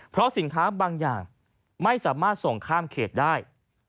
เพราะสินค้าบางอย่างไม่สามารถส่งข้ามเขตได้